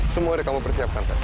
semua udah kamu persiapkan kak